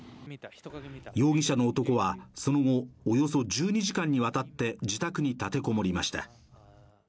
容疑者の男は、その後、およそ１２時間にわたって自宅に立てこもりました。